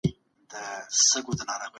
د بدن پیاوړتیا لپاره ورزش کوئ.